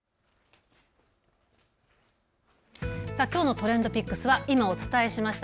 ＴｒｅｎｄＰｉｃｋｓは今お伝えしました